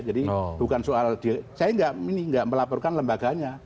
jadi bukan soal saya ini tidak melaporkan lembaganya